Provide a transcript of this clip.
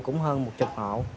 cũng hơn một chục hộ